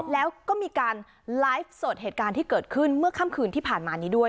แล้วก็มีการไลฟ์สดเหตุการณ์ที่เกิดขึ้นเมื่อค่ำคืนที่ผ่านมานี้ด้วย